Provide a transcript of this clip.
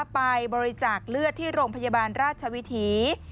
ไปบริจาคเลือดที่โรงพยาบาลราชวิถี